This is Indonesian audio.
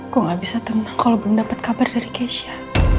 gue gak bisa tenang kalau belum dapat kabar dari keisha